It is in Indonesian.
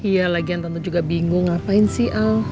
iya lagi yang tante juga bingung ngapain sih al